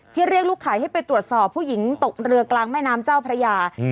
เรียกลูกขายให้ไปตรวจสอบผู้หญิงตกเรือกลางแม่น้ำเจ้าพระยา